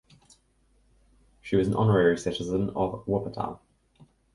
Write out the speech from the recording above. She was an honorary citizen of Wuppertal.